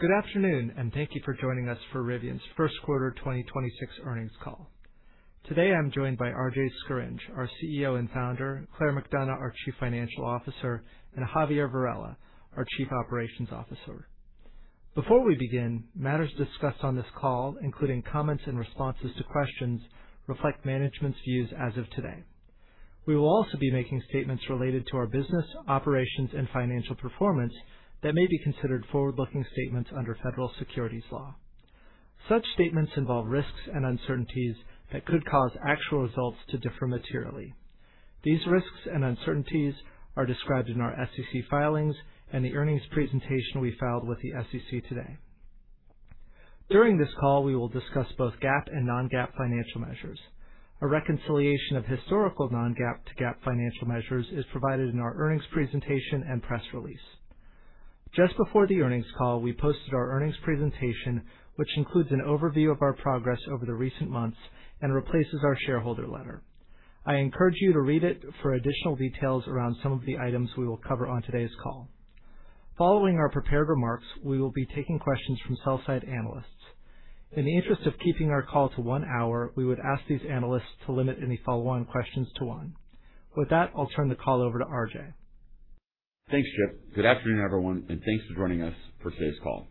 Good afternoon. Thank you for joining us for Rivian's first quarter 2026 earnings call. Today, I'm joined by R.J. Scaringe, our CEO and Founder, Claire McDonough, our Chief Financial Officer, and Javier Varela, our Chief Operations Officer. Before we begin, matters discussed on this call, including comments and responses to questions, reflect management's views as of today. We will also be making statements related to our business, operations, and financial performance that may be considered forward-looking statements under federal securities law. Such statements involve risks and uncertainties that could cause actual results to differ materially. These risks and uncertainties are described in our SEC filings and the earnings presentation we filed with the SEC today. During this call, we will discuss both GAAP and non-GAAP financial measures. A reconciliation of historical non-GAAP to GAAP financial measures is provided in our earnings presentation and press release. Just before the earnings call, we posted our earnings presentation, which includes an overview of our progress over the recent months and replaces our shareholder letter. I encourage you to read it for additional details around some of the items we will cover on today's call. Following our prepared remarks, we will be taking questions from sell-side analysts. In the interest of keeping our call to one hour, we would ask these analysts to limit any follow-on questions to 1. With that, I'll turn the call over to R.J. Thanks, Chip. Good afternoon, everyone, and thanks for joining us for today's call.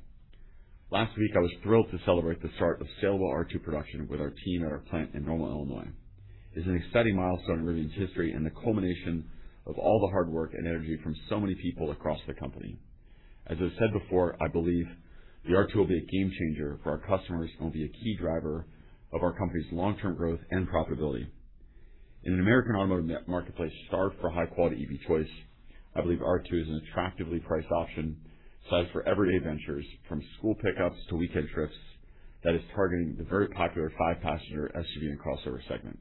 Last week, I was thrilled to celebrate the start of saleable R2 production with our team at our plant in Normal, Illinois. It's an exciting milestone in Rivian's history and the culmination of all the hard work and energy from so many people across the company. As I've said before, I believe the R2 will be a game changer for our customers and will be a key driver of our company's long-term growth and profitability. In an American automotive marketplace starved for high-quality EV choice, I believe R2 is an attractively priced option sized for everyday ventures, from school pickups to weekend trips, that is targeting the very popular five-passenger SUV and crossover segment.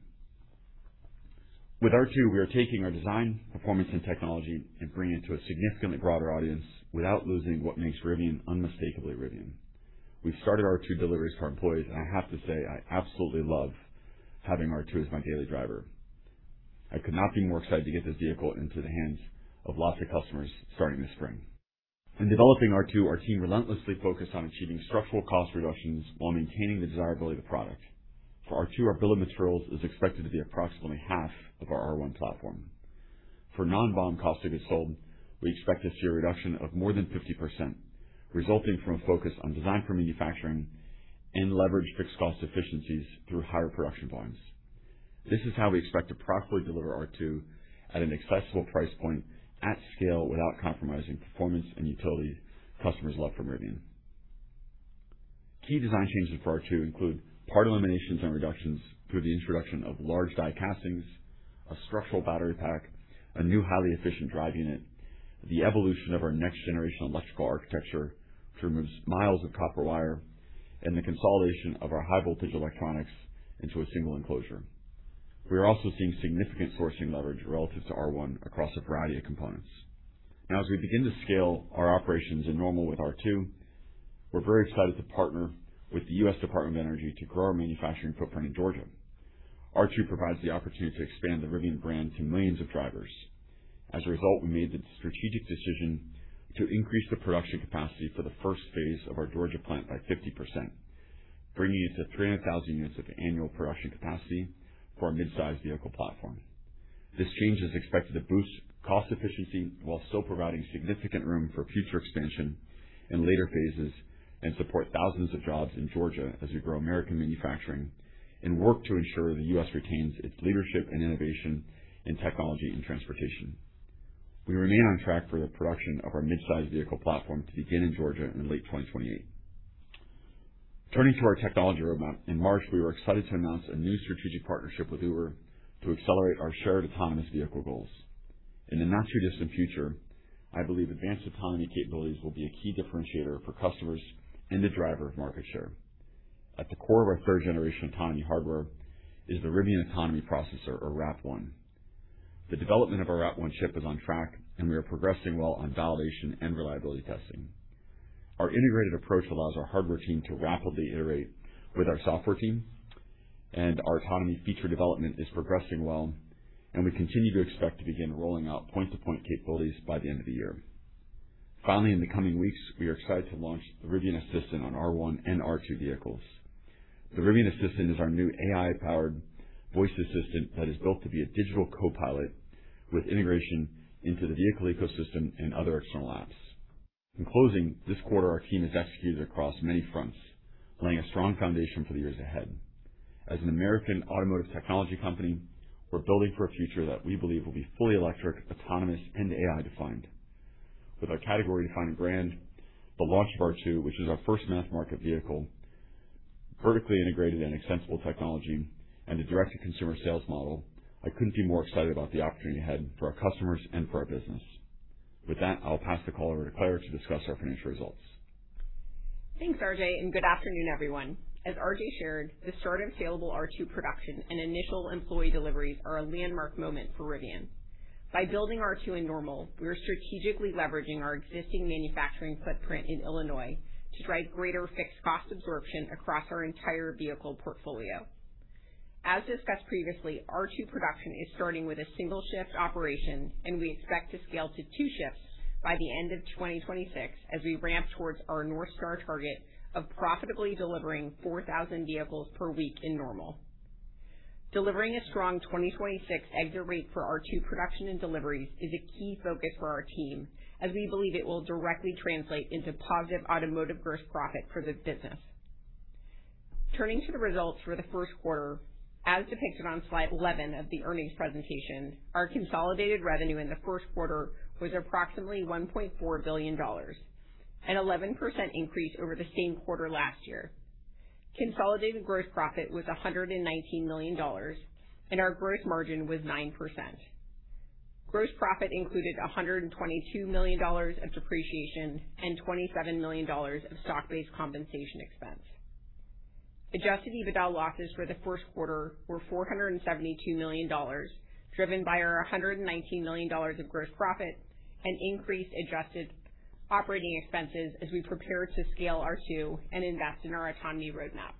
With R2, we are taking our design, performance, and technology and bringing it to a significantly broader audience without losing what makes Rivian unmistakably Rivian. We've started R2 deliveries to our employees, and I have to say, I absolutely love having R2 as my daily driver. I could not be more excited to get this vehicle into the hands of lots of customers starting this spring. In developing R2, our team relentlessly focused on achieving structural cost reductions while maintaining the desirability of the product. For R2, our bill of materials is expected to be approximately half of our R1 platform. For non-BOM cost of goods sold, we expect to see a reduction of more than 50%, resulting from a focus on design for manufacturing and leverage fixed cost efficiencies through higher production volumes. This is how we expect to profitably deliver R2 at an accessible price point at scale without compromising performance and utility customers love from Rivian. Key design changes for R2 include part eliminations and reductions through the introduction of large die castings, a structural battery pack, a new highly efficient drive unit, the evolution of our next-generation electrical architecture, which removes miles of copper wire, and the consolidation of our high voltage electronics into a single enclosure. We are also seeing significant sourcing leverage relative to R1 across a variety of components. As we begin to scale our operations in Normal with R2, we're very excited to partner with the U.S. Department of Energy to grow our manufacturing footprint in Georgia. R2 provides the opportunity to expand the Rivian brand to millions of drivers. As a result, we made the strategic decision to increase the production capacity for the first phase of our Georgia plant by 50%, bringing it to 300,000 units of annual production capacity for our midsize vehicle platform. This change is expected to boost cost efficiency while still providing significant room for future expansion in later phases and support thousands of jobs in Georgia as we grow American manufacturing and work to ensure the U.S. retains its leadership in innovation in technology and transportation. We remain on track for the production of our midsize vehicle platform to begin in Georgia in late 2028. Turning to our technology roadmap, in March, we were excited to announce a new strategic partnership with Uber to accelerate our shared autonomous vehicle goals. In the not-too-distant future, I believe advanced autonomy capabilities will be a key differentiator for customers and the driver of market share. At the core of our Gen 3 autonomy hardware is the Rivian Autonomy Processor, or RAP1. The development of our RAP1 chip is on track. We are progressing well on validation and reliability testing. Our integrated approach allows our hardware team to rapidly iterate with our software team, and our autonomy feature development is progressing well, and we continue to expect to begin rolling out point-to-point capabilities by the end of the year. Finally, in the coming weeks, we are excited to launch the Rivian Assistant on R1 and R2 vehicles. The Rivian Assistant is our new AI-powered voice assistant that is built to be a digital copilot with integration into the vehicle ecosystem and other external apps. In closing, this quarter, our team has executed across many fronts, laying a strong foundation for the years ahead. As an American automotive technology company, we're building for a future that we believe will be fully electric, autonomous, and AI defined. With our category defining brand, the launch of R2, which is our first mass market vehicle, vertically integrated and extensible technology, and a direct-to-consumer sales model, I couldn't be more excited about the opportunity ahead for our customers and for our business. With that, I'll pass the call over to Claire to discuss our financial results. Thanks, R.J. Good afternoon, everyone. As R.J. shared, the start of saleable R2 production and initial employee deliveries are a landmark moment for Rivian. By building R2 in Normal, we are strategically leveraging our existing manufacturing footprint in Illinois to drive greater fixed cost absorption across our entire vehicle portfolio. As discussed previously, R2 production is starting with a single shift operation, and we expect to scale to two shifts by the end of 2026 as we ramp towards our North Star target of profitably delivering 4,000 vehicles per week in Normal. Delivering a strong 2026 exit rate for R2 production and deliveries is a key focus for our team, as we believe it will directly translate into positive automotive gross profit for the business. Turning to the results for the first quarter, as depicted on slide 11 of the earnings presentation, our consolidated revenue in the first quarter was approximately $1.4 billion, an 11% increase over the same quarter last year. Consolidated gross profit was $119 million, and our gross margin was 9%. Gross profit included $122 million of depreciation and $27 million of stock-based compensation expense. Adjusted EBITDA losses for the first quarter were $472 million, driven by our $119 million of gross profit and increased adjusted operating expenses as we prepare to scale R2 and invest in our autonomy roadmap.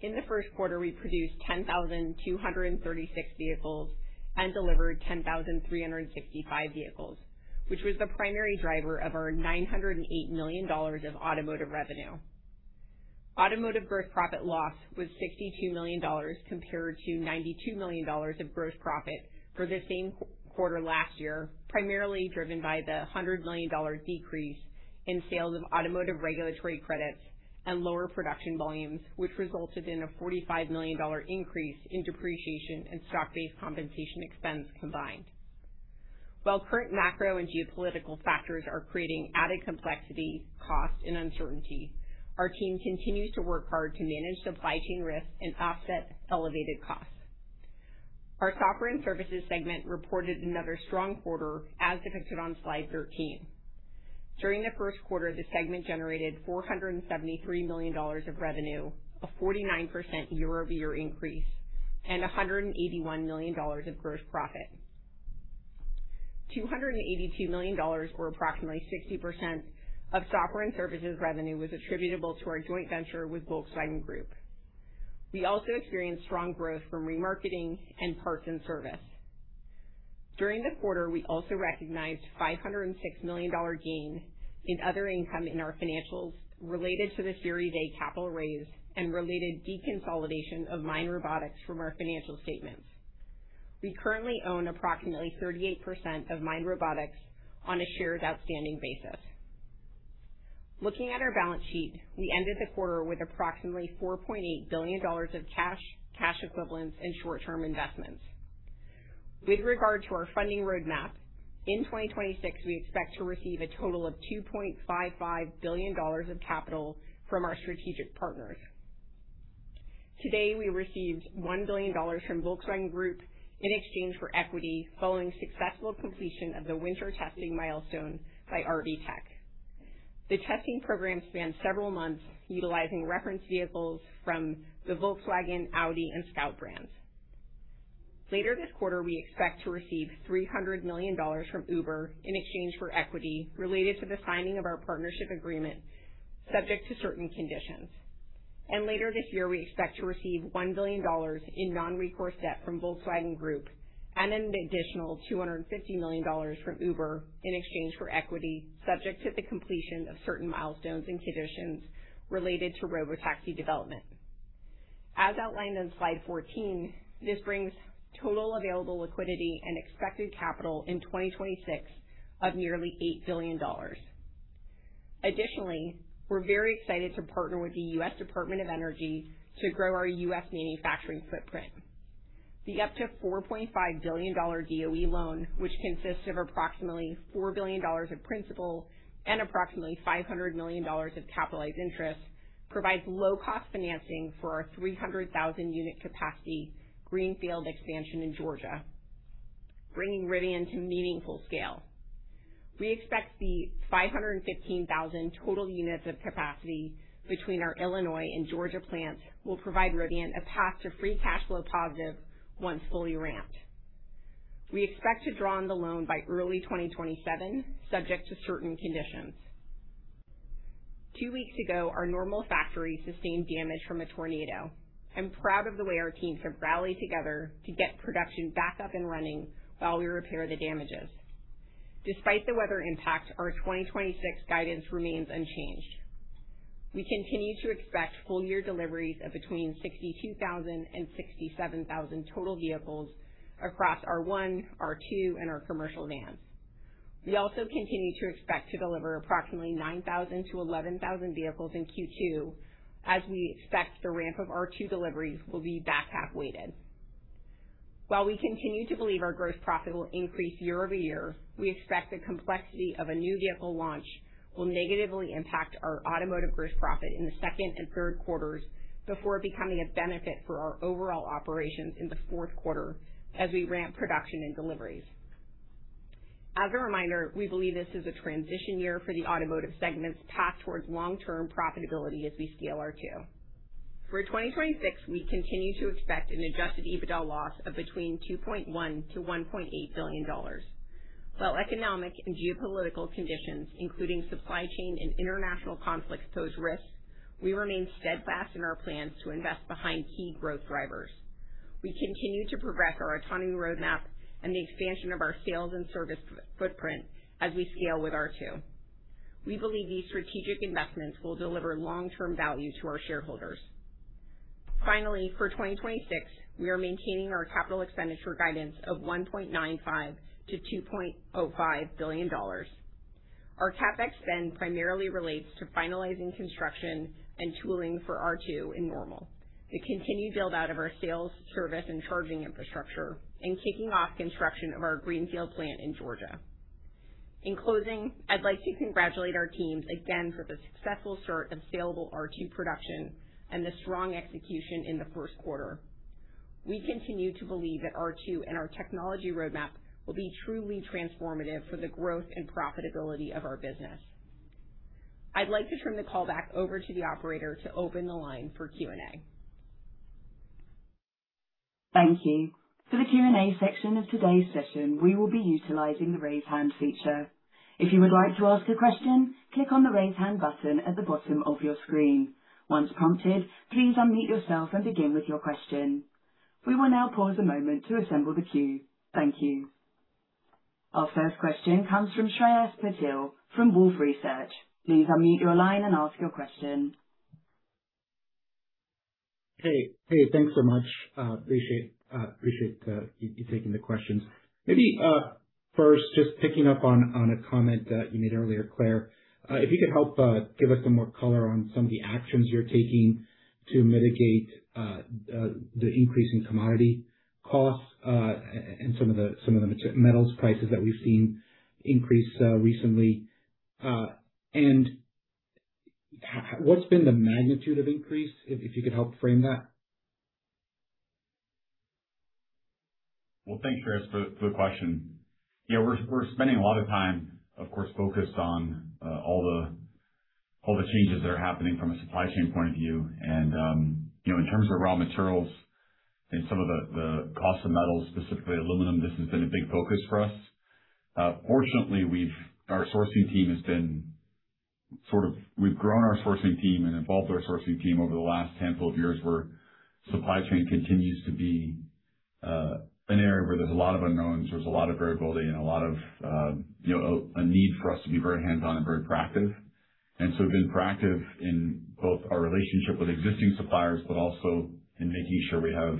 In the first quarter, we produced 10,236 vehicles and delivered 10,365 vehicles, which was the primary driver of our $908 million of automotive revenue. Automotive gross profit loss was $62 million compared to $92 million of gross profit for the same quarter last year, primarily driven by the $100 million decrease in sales of automotive regulatory credits and lower production volumes, which resulted in a $45 million increase in depreciation and stock-based compensation expense combined. While current macro and geopolitical factors are creating added complexity, cost, and uncertainty, our team continues to work hard to manage supply chain risks and offset elevated costs. Our software and services segment reported another strong quarter, as depicted on slide 13. During the first quarter, the segment generated $473 million of revenue, a 49% year-over-year increase, and $181 million of gross profit. $282 million, or approximately 60% of software and services revenue, was attributable to our joint venture with Volkswagen Group. We also experienced strong growth from remarketing and parts and service. During the quarter, we also recognized a $506 million gain in other income in our financials related to the Series A capital raise and related deconsolidation of Mind Robotics from our financial statements. We currently own approximately 38% of Mind Robotics on a shares outstanding basis. Looking at our balance sheet, we ended the quarter with approximately $4.8 billion of cash equivalents, and short-term investments. With regard to our funding roadmap, in 2026, we expect to receive a total of $2.55 billion of capital from our strategic partners. Today, we received $1 billion from Volkswagen Group in exchange for equity following successful completion of the winter testing milestone by RV Tech. The testing program spanned several months, utilizing reference vehicles from the Volkswagen, Audi, and Scout brands. Later this quarter, we expect to receive $300 million from Uber in exchange for equity related to the signing of our partnership agreement, subject to certain conditions. Later this year, we expect to receive $1 billion in non-recourse debt from Volkswagen Group and an additional $250 million from Uber in exchange for equity, subject to the completion of certain milestones and conditions related to robotaxi development. As outlined on slide 14, this brings total available liquidity and expected capital in 2026 of nearly $8 billion. Additionally, we're very excited to partner with the U.S. Department of Energy to grow our U.S. manufacturing footprint. The up to $4.5 billion DOE loan, which consists of approximately $4 billion of principal and approximately $500 million of capitalized interest, provides low cost financing for our 300,000 unit capacity greenfield expansion in Georgia, bringing Rivian to meaningful scale. We expect the 515,000 total units of capacity between our Illinois and Georgia plants will provide Rivian a path to free cash flow positive once fully ramped. We expect to draw on the loan by early 2027, subject to certain conditions. Two weeks ago, our Normal factory sustained damage from a tornado. I'm proud of the way our teams have rallied together to get production back up and running while we repair the damages. Despite the weather impact, our 2026 guidance remains unchanged. We continue to expect full year deliveries of between 62,000 and 67,000 total vehicles across R1, R2, and our commercial vans. We also continue to expect to deliver approximately 9,000-11,000 vehicles in Q2 as we expect the ramp of R2 deliveries will be back half weighted. While we continue to believe our gross profit will increase year-over-year, we expect the complexity of a new vehicle launch will negatively impact our automotive gross profit in the second and third quarters before becoming a benefit for our overall operations in the fourth quarter as we ramp production and deliveries. As a reminder, we believe this is a transition year for the automotive segment's path towards long-term profitability as we scale R2. For 2026, we continue to expect an Adjusted EBITDA loss of between $2.1 billion-$1.8 billion. While economic and geopolitical conditions, including supply chain and international conflicts, pose risks, we remain steadfast in our plans to invest behind key growth drivers. We continue to progress our autonomy roadmap and the expansion of our sales and service footprint as we scale with R2. We believe these strategic investments will deliver long-term value to our shareholders. Finally, for 2026, we are maintaining our capital expenditure guidance of $1.95 billion-$2.05 billion. Our CapEx spend primarily relates to finalizing construction and tooling for R2 in Normal, the continued build out of our sales, service, and charging infrastructure, and kicking off construction of our greenfield plant in Georgia. In closing, I'd like to congratulate our teams again for the successful start of salable R2 production and the strong execution in the first quarter. We continue to believe that R2 and our technology roadmap will be truly transformative for the growth and profitability of our business. I'd like to turn the call back over to the operator to open the line for Q&A. Thank you. For the Q&A section of today's session, we will be utilizing the raise hand feature. If you would like to ask a question, click on the raise hand button at the bottom of your screen. Once prompted, please unmute yourself and begin with your question. We will now pause a moment to assemble the queue. Thank you. Our first question comes from Kalpit Patel from Wolfe Research. Please unmute your line and ask your question. Hey, hey, thanks so much. Appreciate you taking the questions. Maybe first, just picking up on a comment that you made earlier, Claire. If you could help give us some more color on some of the actions you're taking to mitigate the increase in commodity costs and some of the metals prices that we've seen increase recently. What's been the magnitude of increase, if you could help frame that? Well, thanks, Kalpit, for the question. Yeah, we're spending a lot of time, of course, focused on all the changes that are happening from a supply chain point of view. You know, in terms of raw materials and some of the cost of metals, specifically aluminum, this has been a big focus for us. Fortunately, We've grown our sourcing team and evolved our sourcing team over the last handful of years, where supply chain continues to be an area where there's a lot of unknowns, there's a lot of variability, and a lot of, you know, a need for us to be very hands-on and very proactive. We've been proactive in both our relationship with existing suppliers, but also in making sure we have,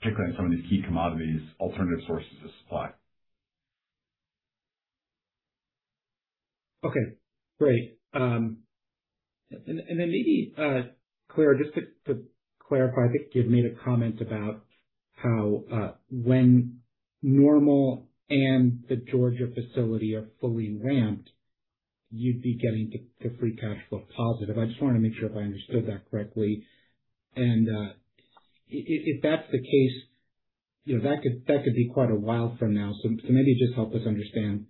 particularly in some of these key commodities, alternative sources of supply. Okay, great. And then maybe, Claire, just to clarify, I think you had made a comment about how when Normal and the Georgia facility are fully ramped, you'd be getting to free cash flow positive. I just wanna make sure if I understood that correctly. If that's the case, you know, that could be quite a while from now. Maybe just help us understand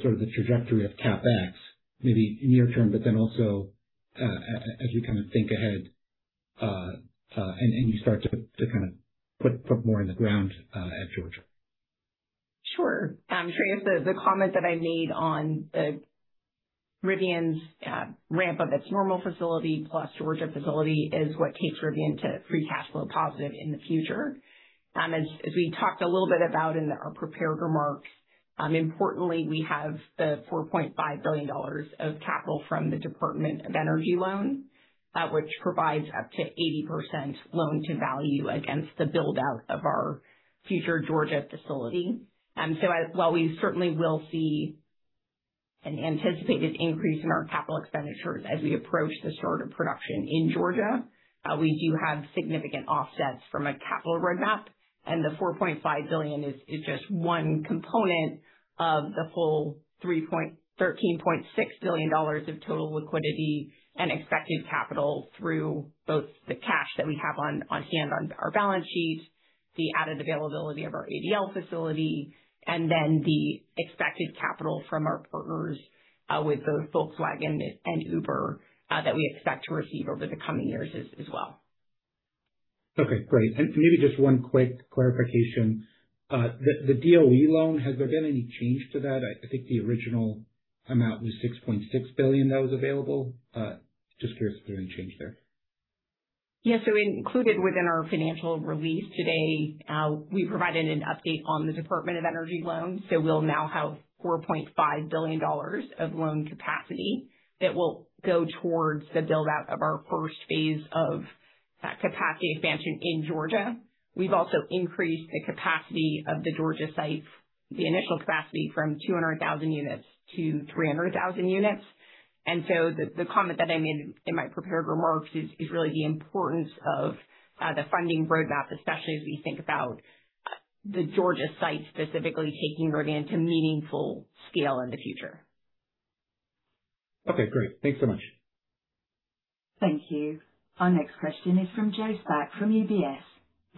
sort of the trajectory of CapEx, maybe near term, but then also as you kind of think ahead and you start to kind of put more in the ground at Georgia. Sure. Kalpit, the comment that I made on the Rivian's ramp of its Normal facility plus Georgia facility is what takes Rivian to free cash flow positive in the future. As we talked a little bit about in our prepared remarks, importantly, we have the $4.5 billion of capital from the Department of Energy loan, which provides up to 80% loan to value against the build-out of our future Georgia facility. While we certainly will see an anticipated increase in our capital expenditures as we approach the start of production in Georgia, we do have significant offsets from a capital roadmap, the $4.5 billion is just one component of the full $13.6 billion of total liquidity and expected capital through both the cash that we have on hand on our balance sheet, the added availability of our ABL facility, and then the expected capital from our partners, with both Volkswagen and Uber, that we expect to receive over the coming years as well. Okay, great. Maybe just one quick clarification. The DOE loan, has there been any change to that? I think the original amount was $6.6 billion that was available. Just curious if there any change there. Yeah. Included within our financial release today, we provided an update on the Department of Energy loan. We'll now have $4.5 billion of loan capacity that will go towards the build-out of our first phase of capacity expansion in Georgia. We've also increased the capacity of the Georgia site, the initial capacity from 200,000 units to 300,000 units. The comment that I made in my prepared remarks is really the importance of the funding roadmap, especially as we think about the Georgia site specifically taking Rivian to meaningful scale in the future. Okay, great. Thanks so much. Thank you. Our next question is from Joe Spak from UBS.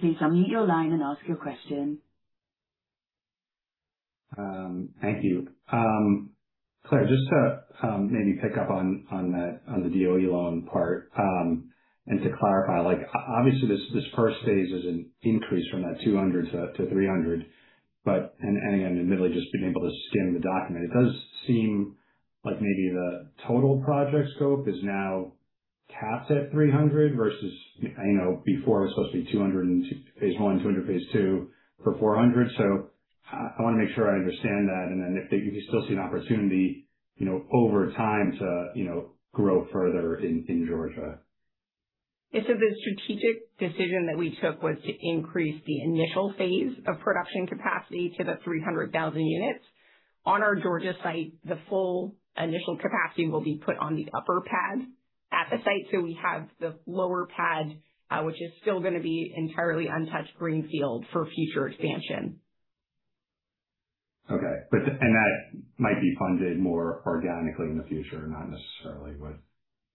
Thank you. Claire, just to maybe pick up on that, on the DOE loan part, and to clarify, like, obviously this first phase is an increase from that $200 to $300. Again, admittedly just being able to skim the document, it does seem like maybe the total project scope is now capped at $300 versus, you know, before it was supposed to be $200 in phase I, $200 phase II for $400. I wanna make sure I understand that and then if that you could still see an opportunity, you know, over time to, you know, grow further in Georgia. The strategic decision that we took was to increase the initial phase of production capacity to the 300,000 units. On our Georgia site, the full initial capacity will be put on the upper pad at the site. We have the lower pad, which is still gonna be entirely untouched greenfield for future expansion. Okay. That might be funded more organically in the future, not necessarily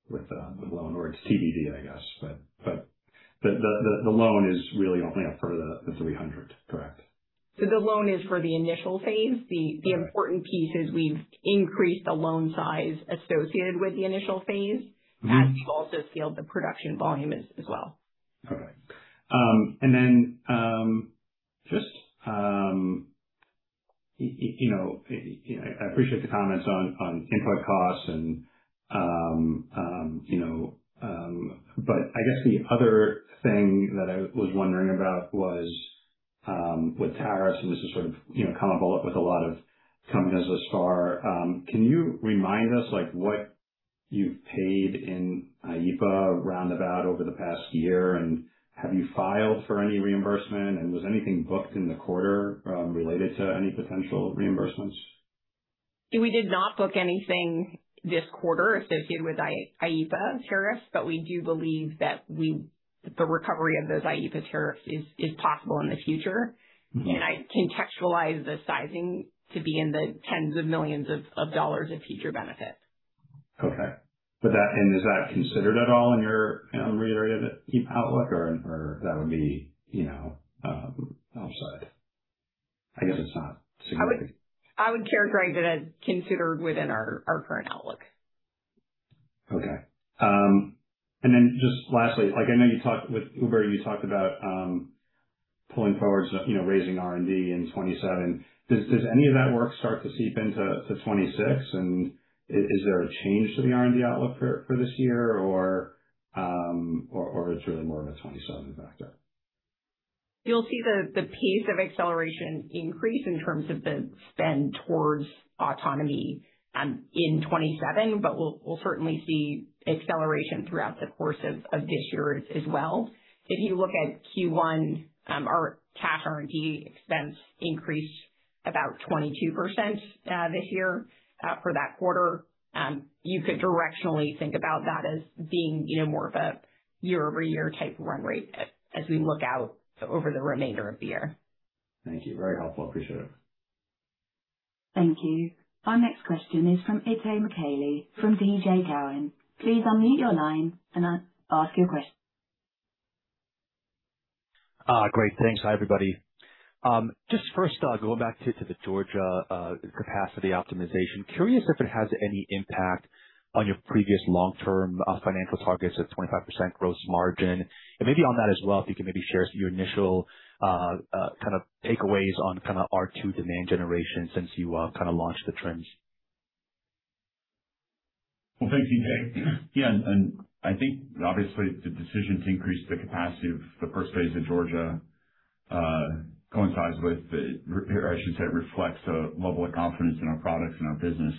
with the loan or it's TBD, I guess. The loan is really only up for the $300, correct? The loan is for the initial phase. The important piece is we've increased the loan size associated with the initial phase. Mm-hmm. As we've also scaled the production volume as well. Okay. Just, you know, I appreciate the comments on input costs and, you know, I guess the other thing that I was wondering about was with tariffs, and this is sort of, you know, common bullet with a lot of companies thus far. Can you remind us, like, what you've paid in IEPA roundabout over the past year, and have you filed for any reimbursement, and was anything booked in the quarter, related to any potential reimbursements? We did not book anything this quarter associated with IEPA tariffs, we do believe that we the recovery of those IEPA tariffs is possible in the future. Mm-hmm. I contextualize the sizing to be in the tens of millions of dollars in future benefits. Okay. Is that considered at all in your, kind of, area of Outlook or that would be, you know, outside? I guess it's not significant. I would characterize it as considered within our current outlook. Okay. Then just lastly, like I know you talked with Uber, you talked about pulling forward, you know, raising R&D in 2027. Does any of that work start to seep into to 2026 and is there a change to the R&D outlook for this year or it's really more of a 2027 factor? You'll see the pace of acceleration increase in terms of the spend towards autonomy in 2027, but we'll certainly see acceleration throughout the course of this year as well. If you look at Q1, our cash R&D expense increased about 22% this year for that quarter. You could directionally think about that as being, you know, more of a year-over-year type run rate as we look out over the remainder of the year. Thank you. Very helpful. I appreciate it. Thank you. Our next question is from Itay Michaeli from TD Cowen. Please unmute your line and ask your question. Great. Thanks. Hi, everybody. Just first, going back to the Georgia capacity optimization. Curious if it has any impact on your previous long-term financial targets of 25% gross margin. Maybe on that as well, if you can maybe share your initial kind of takeaways on kinda R2 demand generation since you kinda launched the trims. Thanks, Itay. I think obviously the decision to increase the capacity of the first phase in Georgia coincides with the or I should say, reflects a level of confidence in our products and our business.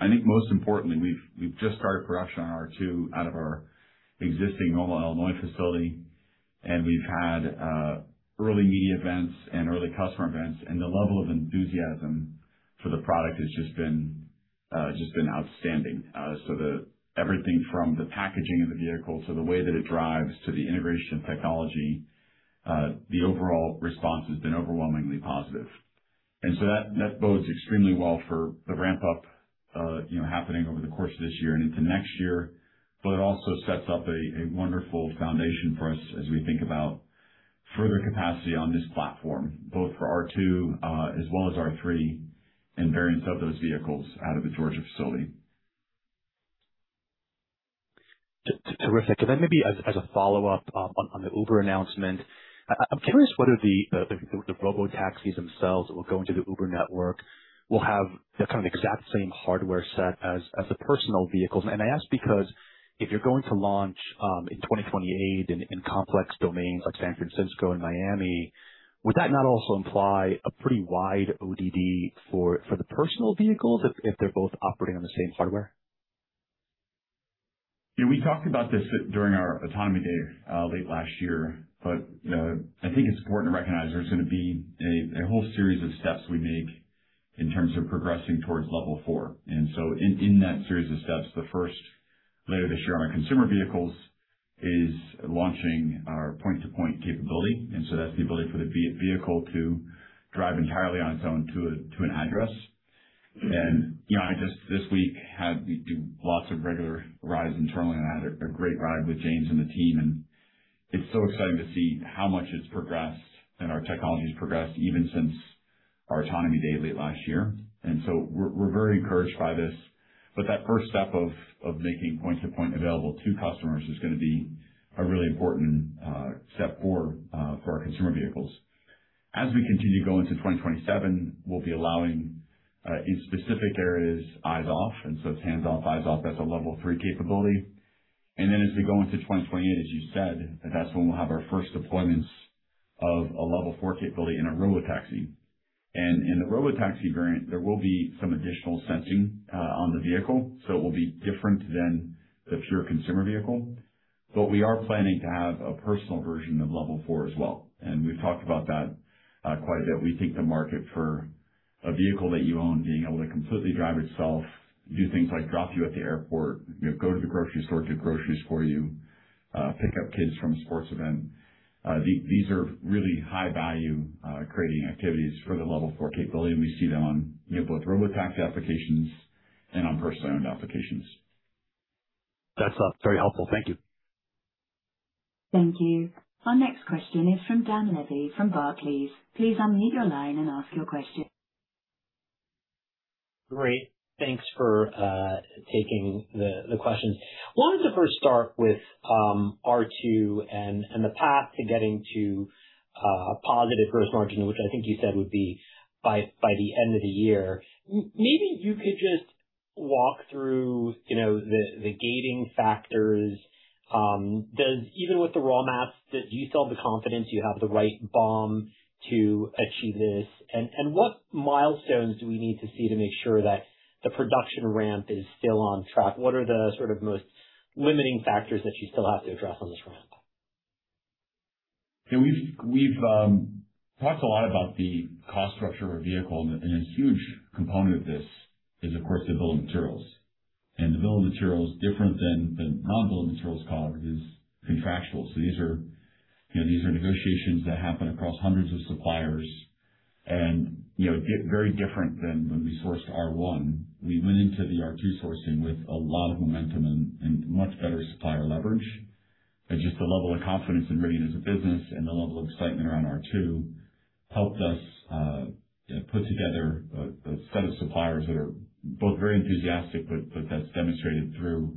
I think most importantly, we've just started production on R2 out of our existing Normal, Illinois, facility, and we've had early media events and early customer events, and the level of enthusiasm for the product has just been outstanding. Everything from the packaging of the vehicle to the way that it drives to the integration of technology, the overall response has been overwhelmingly positive. That bodes extremely well for the ramp-up, you know, happening over the course of this year and into next year. It also sets up a wonderful foundation for us as we think about further capacity on this platform, both for R2, as well as R3 and variants of those vehicles out of the Georgia facility. Terrific. Maybe as a follow-up, on the Uber announcement. I'm curious whether the robotaxis themselves that will go into the Uber network will have the kind of exact same hardware set as the personal vehicles. I ask because if you're going to launch in 2028 in complex domains like San Francisco and Miami, would that not also imply a pretty wide ODD for the personal vehicles if they're both operating on the same hardware? Yeah, we talked about this during our Autonomy Day late last year. I think it's important to recognize there's going to be a whole series of steps we make in terms of progressing towards Level 4. In that series of steps, the first later this year on our consumer vehicles is launching our point-to-point capability. That's the ability for the vehicle to drive entirely on its own to an address. You know, I just this week had lots of regular rides internally, and I had a great ride with James and the team, and it's so exciting to see how much it's progressed and our technology's progressed even since our Autonomy Day late last year. We're very encouraged by this. That first step of making point-to-point available to customers is going to be a really important step for our consumer vehicles. As we continue to go into 2027, we'll be allowing in specific areas, eyes off, it's hands-off, eyes off. That's a Level 3 capability. As we go into 2028, as you said, that's when we'll have our first deployments of a Level 4 capability in a robotaxi. In the robotaxi variant, there will be some additional sensing on the vehicle, so it will be different than the pure consumer vehicle. We are planning to have a personal version of Level 4 as well. We've talked about that quite a bit. We think the market for a vehicle that you own being able to completely drive itself, do things like drop you at the airport, you know, go to the grocery store, get groceries for you, pick up kids from a sports event. These are really high value, creating activities for the Level 4 capability, and we see them on, you know, both robotaxi applications and on personally owned applications. That's very helpful. Thank you. Thank you. Our next question is from Dan Levy from Barclays. Please unmute your line and ask your question. Great. Thanks for taking the questions. Wanted to first start with R2 and the path to getting to a positive gross margin, which I think you said would be by the end of the year. Maybe you could just walk through, you know, the gating factors. Even with the roadmaps, do you still have the confidence you have the right BOM to achieve this? And what milestones do we need to see to make sure that the production ramp is still on track? What are the sort of most limiting factors that you still have to address on this ramp? Yeah. We've talked a lot about the cost structure of a vehicle, and a huge component of this is, of course, the bill of materials. The bill of materials, different than the non-bill of materials cost, is contractual. These are, you know, these are negotiations that happen across hundreds of suppliers, and, you know, get very different than when we sourced R1. We went into the R2 sourcing with a lot of momentum and much better supplier leverage. Just the level of confidence and readiness of business and the level of excitement around R2 helped us, you know, put together a set of suppliers that are both very enthusiastic but that's demonstrated through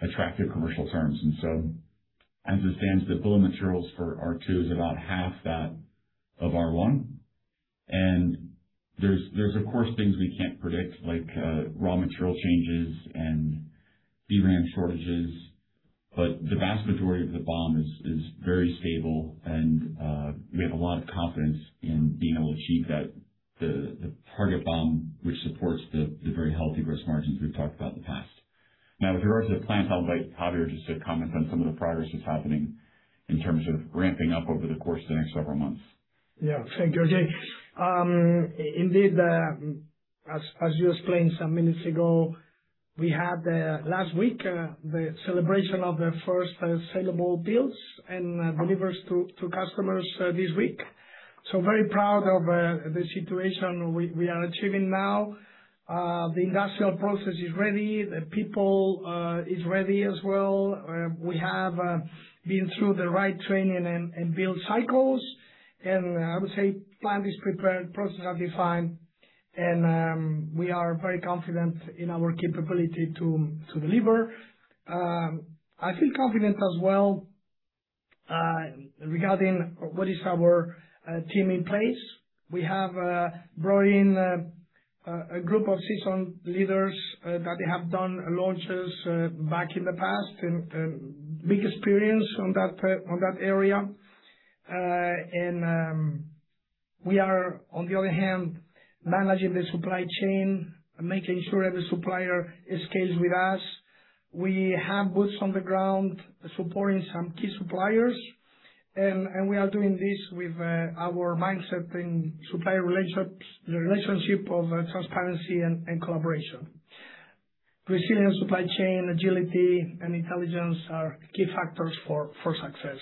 attractive commercial terms. As it stands, the bill of materials for R2 is about half that of R1. There's of course things we can't predict, like raw material changes and DRAM shortages, but the vast majority of the BOM is very stable and we have a lot of confidence in being able to achieve that, the target BOM, which supports the very healthy gross margins we've talked about in the past. With regards to the plant, I would like Javier just to comment on some of the progress that's happening in terms of ramping up over the course of the next several months. Yeah. Thank you, R.J. Indeed, as you explained some minutes ago, we had last week the celebration of the first sellable builds and delivers to customers this week. Very proud of the situation we are achieving now. The industrial process is ready. The people is ready as well. We have been through the right training and build cycles. I would say plan is prepared, process are defined, and we are very confident in our capability to deliver. I feel confident as well regarding what is our team in place. We have brought in a group of seasoned leaders that they have done launches back in the past and big experience on that area. We are, on the other hand, managing the supply chain, making sure every supplier scales with us. We have boots on the ground supporting some key suppliers. We are doing this with our mindset in supplier relationship of transparency and collaboration. Resilient supply chain agility and intelligence are key factors for success.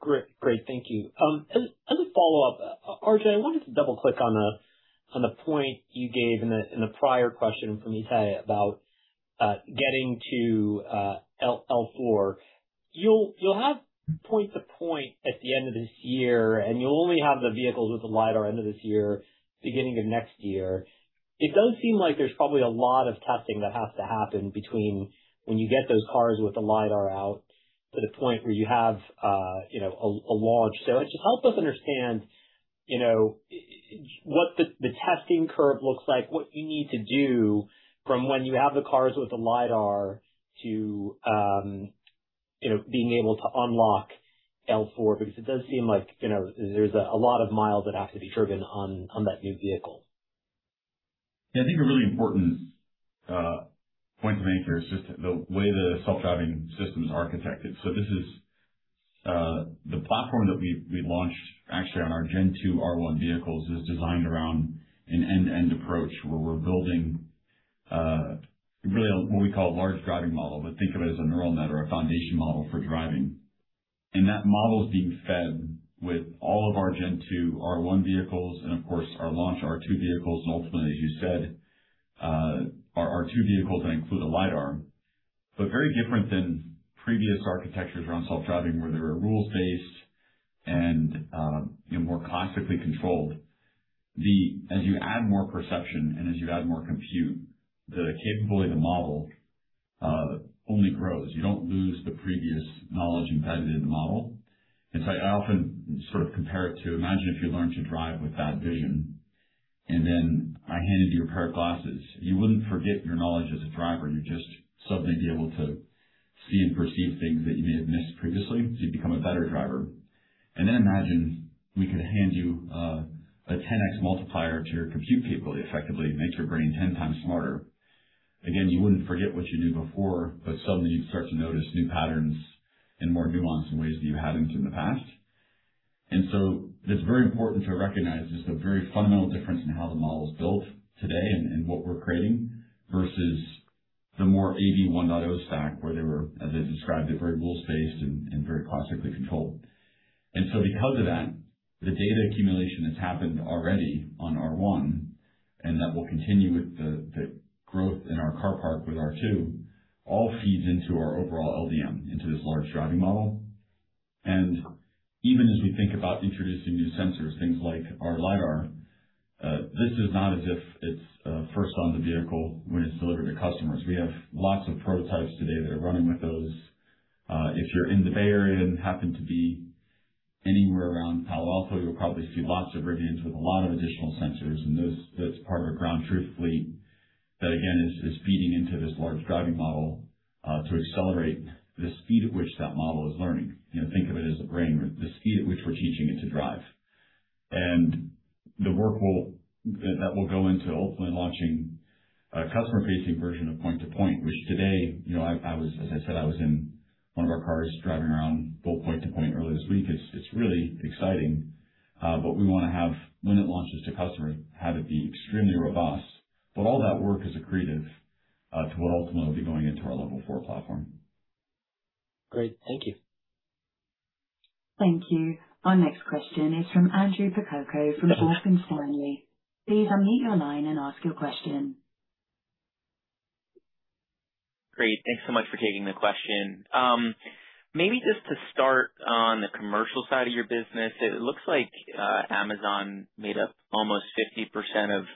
Great. Thank you. As a follow-up, R.J., I wanted to double-click on the point you gave in the prior question from Itay Michaeli about getting to L4. You'll have point-to-point at the end of this year, and you'll only have the vehicles with the LiDAR end of this year, beginning of next year. It does seem like there's probably a lot of testing that has to happen between when you get those cars with the LiDAR out to the point where you have, you know, a launch. Just help us understand, you know, what the testing curve looks like, what you need to do from when you have the cars with the LiDAR to, you know, being able to unlock L4 because it does seem like, you know, there's a lot of miles that have to be driven on that new vehicle? Yeah. I think a really important point to make here is just the way the self-driving system is architected. This is the platform that we've launched actually on our Gen 2 R1 vehicles is designed around an end-to-end approach, where we're building really a, what we call a large driving model, but think of it as a neural net or a foundation model for driving. That model is being fed with all of our Gen 2 R1 vehicles and of course, our launch R2 vehicles, and ultimately, as you said, our R2 vehicles that include a LiDAR. Very different than previous architectures around self-driving, where they were rules based and, you know, more classically controlled. As you add more perception and as you add more compute, the capability of the model only grows. You don't lose the previous knowledge embedded in the model. In fact, I often sort of compare it to imagine if you learned to drive without vision, and then I handed you a pair of glasses. You wouldn't forget your knowledge as a driver. You'd just suddenly be able to see and perceive things that you may have missed previously, so you become a better driver. Imagine we could hand you a 10x multiplier to your compute capability, effectively makes your brain 10 times smarter. Again, you wouldn't forget what you knew before, but suddenly you'd start to notice new patterns and more nuance in ways that you hadn't in the past. It's very important to recognize there's a very fundamental difference in how the model is built today and what we're creating versus the more AV 1.0 stack, where they were, as I described it, very rules-based and very classically controlled. Because of that, the data accumulation that's happened already on R1, and that will continue with the growth in our car park with R2, all feeds into our overall LDM, into this large driving model. Even as we think about introducing new sensors, things like our LiDAR, this is not as if it's first on the vehicle when it's delivered to customers. We have lots of prototypes today that are running with those. If you're in the Bay Area and happen to be anywhere around Palo Alto, you'll probably see lots of Rivians with a lot of additional sensors. That's part of our ground truth fleet that again, is feeding into this large driving model to accelerate the speed at which that model is learning. You know, think of it as the brain or the speed at which we're teaching it to drive. The work that will go into ultimately launching a customer-facing version of point to point, which today, you know, as I said, I was in one of our cars driving around both point to point earlier this week. It's really exciting. We wanna have when it launches to customer, have it be extremely robust. All that work is accretive to what ultimately will be going into our Level 4 platform. Great. Thank you. Thank you. Our next question is from Andrew Percoco from Morgan Stanley. Please unmute your line and ask your question. Great. Thanks so much for taking the question. Maybe just to start on the commercial side of your business, it looks like Amazon made up almost 50%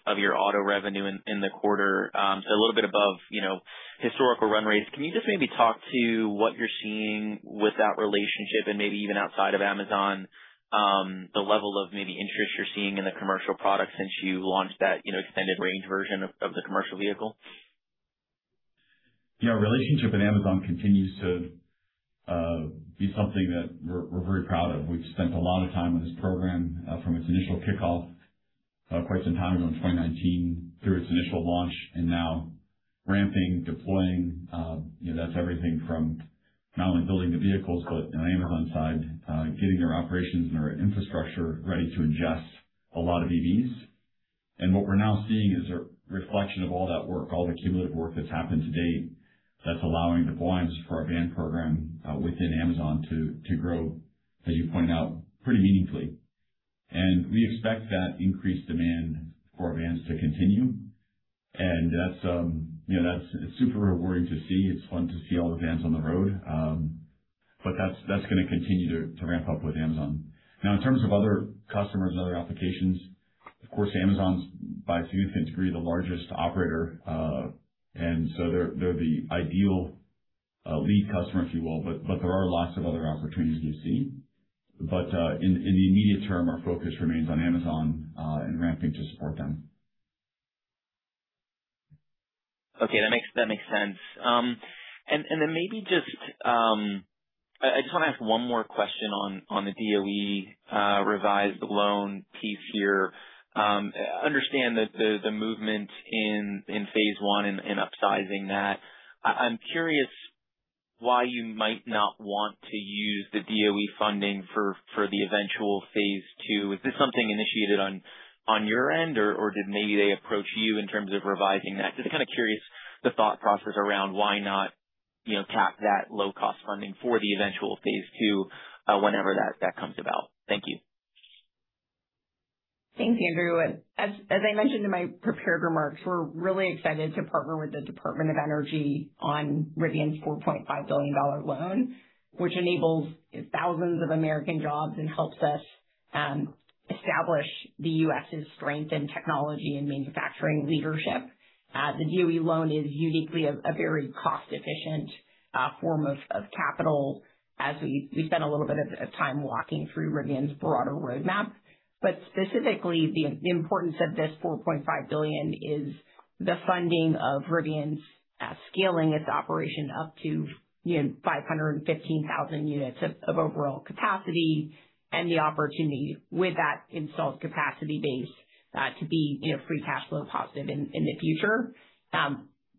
of your auto revenue in the quarter. A little bit above, you know, historical run rates. Can you just maybe talk to what you're seeing with that relationship and maybe even outside of Amazon, the level of maybe interest you're seeing in the commercial product since you launched that, you know, extended range version of the commercial vehicle? Yeah, our relationship with Amazon continues to be something that we're very proud of. We've spent a lot of time on this program, from its initial kickoff, quite some time ago in 2019 through its initial launch and now ramping, deploying. You know, that's everything from not only building the vehicles, but on the Amazon side, getting their operations and their infrastructure ready to ingest a lot of EVs. What we're now seeing is a reflection of all that work, all the cumulative work that's happened to date that's allowing deployment for our van program, within Amazon to grow, as you pointed out, pretty meaningfully. We expect that increased demand for our vans to continue. You know, it's super rewarding to see. It's fun to see all the vans on the road. That's gonna continue to ramp up with Amazon. In terms of other customers and other applications, of course, Amazon's by a few things, agree the largest operator. They're the ideal lead customer, if you will. There are lots of other opportunities we see. In the immediate term, our focus remains on Amazon and ramping to support them. Okay. That makes sense. Maybe just, I just wanna ask one more question on the DOE revised loan piece here. Understand that the movement in phase I and upsizing that. I'm curious why you might not want to use the DOE funding for the eventual phase II. Is this something initiated on your end, or did maybe they approach you in terms of revising that? Just kind of curious the thought process around why not, you know, tap that low cost funding for the eventual phase II, whenever that comes about. Thank you. Thanks, Andrew. As I mentioned in my prepared remarks, we're really excited to partner with the Department of Energy on Rivian's $4.5 billion loan, which enables thousands of American jobs and helps us establish the U.S.'s strength in technology and manufacturing leadership. The DOE loan is uniquely a very cost efficient form of capital as we spent a little bit of time walking through Rivian's broader roadmap. Specifically, the importance of this $4.5 billion is the funding of Rivian's scaling its operation up to, you know, 515,000 units of overall capacity and the opportunity with that installed capacity base to be, you know, free cash flow positive in the future.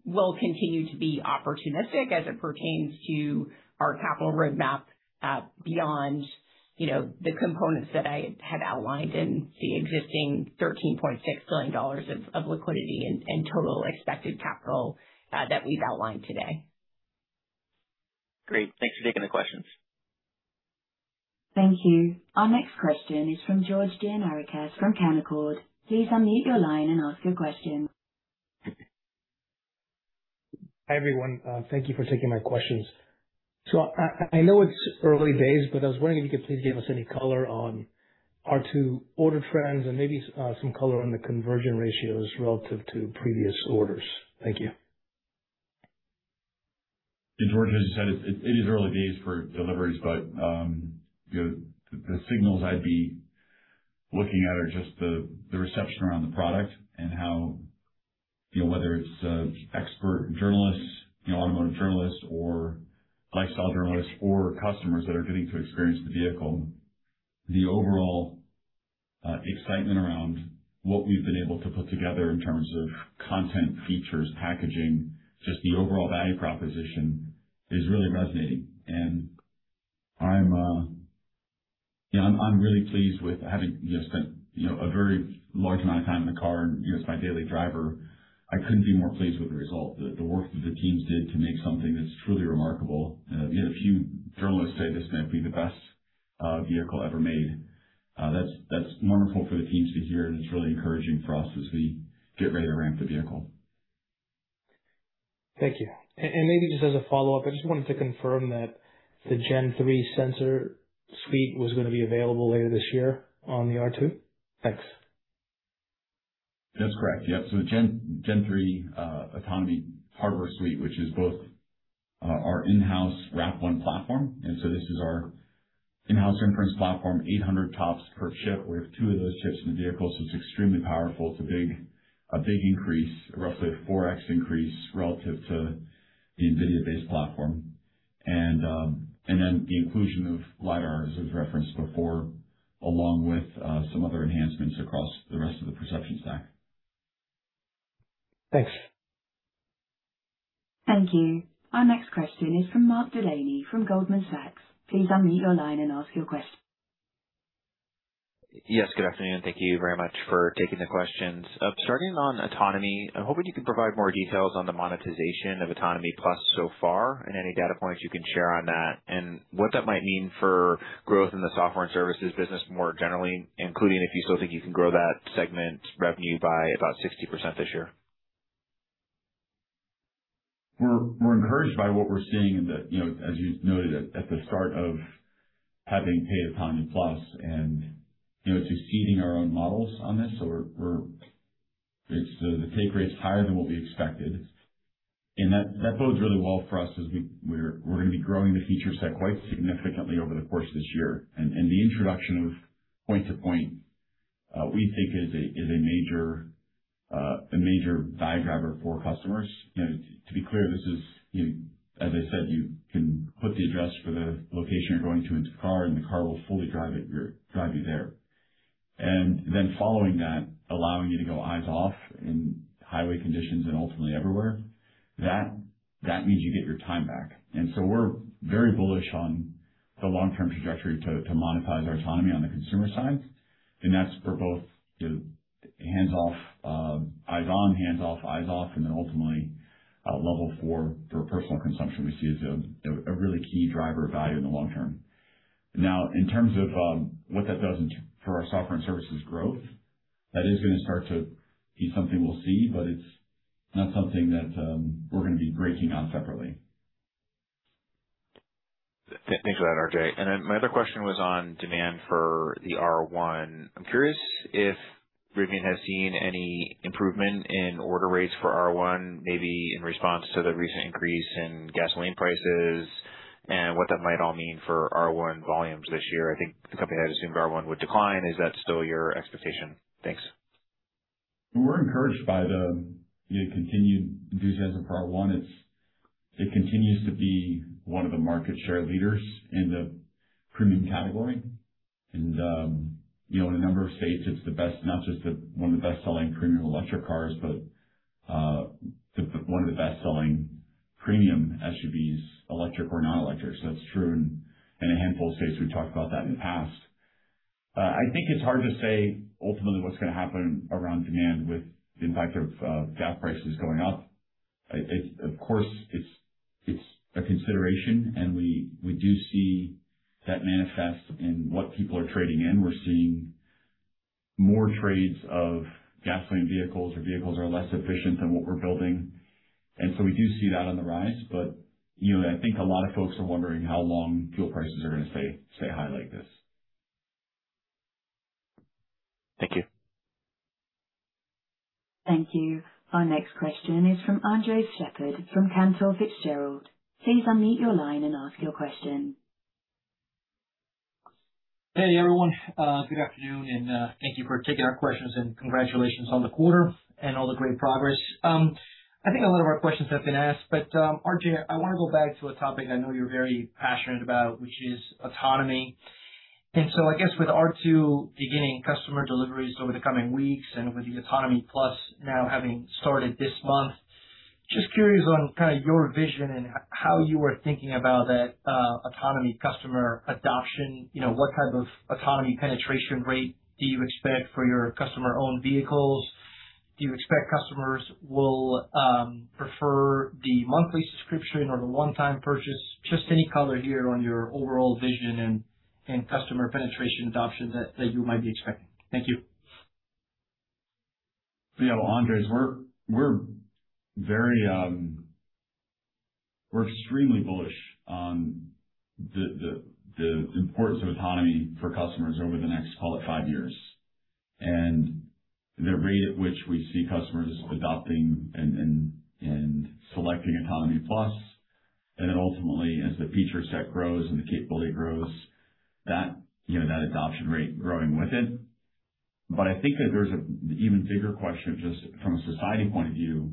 We'll continue to be opportunistic as it pertains to our capital roadmap, beyond the components that I have outlined in the existing $13.6 billion of liquidity and total expected capital that we've outlined today. Great. Thanks for taking the questions. Thank you. Our next question is from George Gianarikas from Canaccord. Please unmute your line and ask your question. Hi, everyone. Thank you for taking my questions. I know it's early days, but I was wondering if you could please give us any color on R2 order trends and maybe some color on the conversion ratios relative to previous orders. Thank you. Yeah, George, as you said, it is early days for deliveries, you know, the signals I'd be looking at are just the reception around the product and how, you know, whether it's expert journalists, automotive journalists or lifestyle journalists or customers that are getting to experience the vehicle. The overall excitement around what we've been able to put together in terms of content, features, packaging, just the overall value proposition is really resonating. I'm, you know, I'm really pleased with having, you know, spent, you know, a very large amount of time in the car and, you know, it's my daily driver. I couldn't be more pleased with the result. The work that the teams did to make something that's truly remarkable. We had a few journalists say this might be the best vehicle ever made. That's wonderful for the teams to hear, and it's really encouraging for us as we get ready to ramp the vehicle. Thank you. Maybe just as a follow-up, I just wanted to confirm that the Gen 3 sensor suite was going to be available later this year on the R2. Thanks. That's correct. Yeah. The Gen 3 autonomy hardware suite, which is both our in-house RAP1 platform, this is our in-house inference platform, 800 tops per chip. We have 2 of those chips in the vehicle, it's extremely powerful. It's a big increase, roughly a 4X increase relative to the NVIDIA-based platform. The inclusion of LiDAR, as was referenced before, along with some other enhancements across the rest of the perception stack. Thanks. Thank you. Our next question is from Mark Delaney from Goldman Sachs. Please unmute your line and ask your question. Yes, good afternoon. Thank you very much for taking the questions. Starting on autonomy, I'm hoping you can provide more details on the monetization of Autonomy+ so far and any data points you can share on that, and what that might mean for growth in the software and services business more generally, including if you still think you can grow that segment revenue by about 60% this year. We're encouraged by what we're seeing in the, you know, as you noted at the start of having paid Autonomy+ and, you know, it's exceeding our own models on this. It's the take rate's higher than what we expected. That bodes really well for us as we're gonna be growing the feature set quite significantly over the course of this year. The introduction of point-to-point, we think is a major value driver for customers. You know, to be clear, this is, you know, as I said, you can put the address for the location you're going to into the car, and the car will fully drive you there. Following that, allowing you to go eyes off in highway conditions and ultimately everywhere, that means you get your time back. We're very bullish on the long-term trajectory to monetize our autonomy on the consumer side. That's for both, you know, hands-off, eyes on, hands-off, eyes off, and then ultimately, Level 4 for personal consumption we see as a really key driver of value in the long term. In terms of what that does for our software and services growth, that is gonna start to be something we'll see, but it's not something that we're gonna be breaking out separately. Thanks for that, R.J. My other question was on demand for the R1. I'm curious if Rivian has seen any improvement in order rates for R1, maybe in response to the recent increase in gasoline prices and what that might all mean for R1 volumes this year. I think the company had assumed R1 would decline. Is that still your expectation? Thanks. We're encouraged by the continued enthusiasm for R1. It continues to be one of the market share leaders in the premium category. You know, in a number of states, it's the best, not just the one of the best-selling premium electric cars, but the one of the best-selling premium SUVs, electric or non-electric. That's true in a handful of states. We've talked about that in the past. I think it's hard to say ultimately what's gonna happen around demand with the impact of gas prices going up. Of course, it's a consideration, and we do see that manifest in what people are trading in. We're seeing more trades of gasoline vehicles or vehicles that are less efficient than what we're building. We do see that on the rise, but, you know, and I think a lot of folks are wondering how long fuel prices are gonna stay high like this. Thank you. Thank you. Our next question is from Andres Sheppard from Cantor Fitzgerald. Please unmute your line and ask your question. Hey, everyone, good afternoon. Thank you for taking our questions and congratulations on the quarter and all the great progress. I think a lot of our questions have been asked. R.J., I want to go back to a topic I know you're very passionate about, which is autonomy. I guess with R2 beginning customer deliveries over the coming weeks and with the Autonomy+ now having started this month, just curious on kind of your vision and how you are thinking about that autonomy customer adoption. You know, what type of autonomy penetration rate do you expect for your customer-owned vehicles? Do you expect customers will prefer the monthly subscription or the one-time purchase? Just any color here on your overall vision and customer penetration adoption that you might be expecting. Thank you. Yeah, well, Andres, we're very, we're extremely bullish on the importance of autonomy for customers over the next, call it, five years. The rate at which we see customers adopting and selecting Autonomy+, ultimately, as the feature set grows and the capability grows, that, you know, adoption rate growing with it. I think that there's an even bigger question, just from a society point of view.